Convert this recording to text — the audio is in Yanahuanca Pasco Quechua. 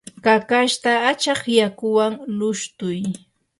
kakashta achaq yakuwan lushtuy.